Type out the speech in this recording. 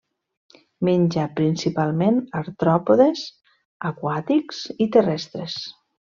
Menja principalment artròpodes aquàtics i terrestres.